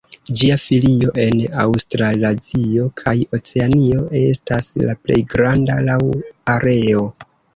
Ĝia filio en Aŭstralazio kaj Oceanio estas la plej granda laŭ areo.